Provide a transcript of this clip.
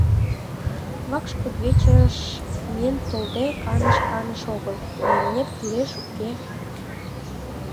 Вакш кудывечыш миен толде, каныш — каныш огыл— А имнет кӱлеш, уке?